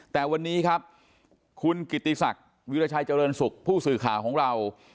แต่วันนี้ครับคุณกิติศักดิ์วิราชัยเจริญสุขผู้สื่อข่าวของเรา